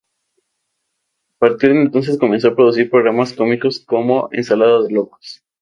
A partir de entonces comenzó a producir programas cómicos como "Ensalada de Locos".